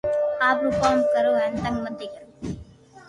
آپرو ڪوم ڪرو ھين تنگ متي ڪرو